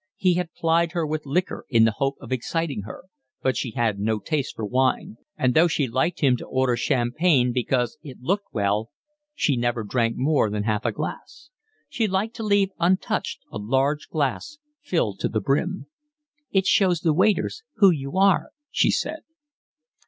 He had plied her with liquor in the hope of exciting her, but she had no taste for wine; and though she liked him to order champagne because it looked well, she never drank more than half a glass. She liked to leave untouched a large glass filled to the brim. "It shows the waiters who you are," she said.